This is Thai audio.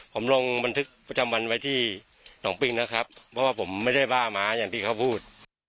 ผมลงบันทึกประจำวันไว้ที่๒ปีนะครับเพราะว่าผมไม่ได้บ้าม้าอย่างที่เขาพูด